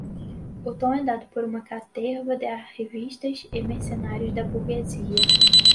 o tom é dado por uma caterva de arrivistas e mercenários da burguesia